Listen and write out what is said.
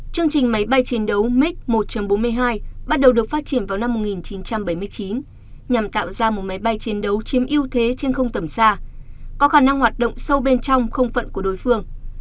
chương trình máy bay chiến đấu mic một trăm bốn mươi hai bắt đầu được phát triển vào năm một nghìn chín trăm bảy mươi chín nhằm tạo ra một máy bay chiến đấu chiếm ưu thế trên không tầm xa có khả năng hoạt động sâu bên trong không phận của đối phương